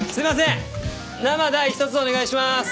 生大１つお願いします！